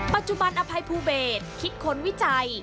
ปัจจุบันอภัยภูเบสคิดค้นวิจัย